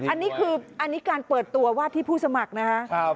อันนี้คืออันนี้การเปิดตัววาดที่ผู้สมัครนะครับ